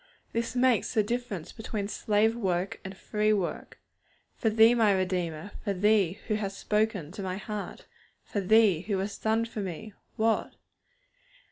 This makes the difference between slave work and free work. For Thee, my Redeemer; for Thee who hast spoken to my heart; for Thee, who hast done for me _what?